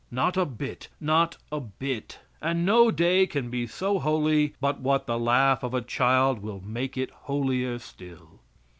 Not a bit, not a bit; and no day can be so holy but what the laugh of a child will make it holier still.